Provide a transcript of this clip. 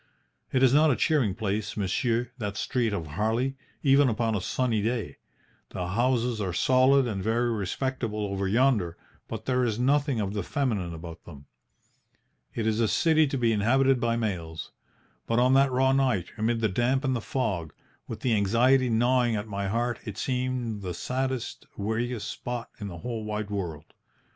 It is not a cheering place, monsieur, that street of Harley, even upon a sunny day. The houses are solid and very respectable over yonder, but there is nothing of the feminine about them. It is a city to be inhabited by males. But on that raw night, amid the damp and the fog, with the anxiety gnawing at my heart, it seemed the saddest, weariest spot in the whole wide world.